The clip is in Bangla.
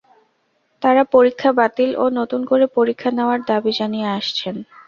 তাঁরা পরীক্ষা বাতিল ও নতুন করে পরীক্ষা নেওয়ার দাবি জানিয়ে আসছেন।